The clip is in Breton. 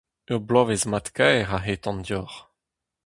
Ur bloavezh mat-kaer a hetan deoc'h.